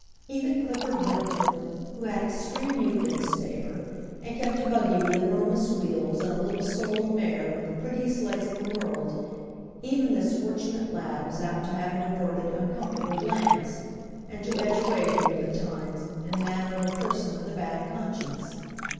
Even Clifford Wentworth, who had extreme youth in his favor, and kept a buggy with enormous wheels and a little sorrel mare with the prettiest legs in the world—even this fortunate lad was apt to have an averted, uncomfortable glance, and to edge away from you at times, in the manner of a person with a bad conscience.